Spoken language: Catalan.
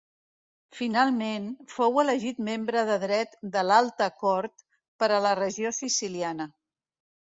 Finalment, fou elegit membre de dret de l'Alta Cort per a la Regió Siciliana.